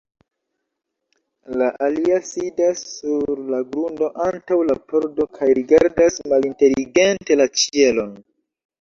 La alia sidas sur la grundo antaŭ la pordo kaj rigardas malinteligente la ĉielon.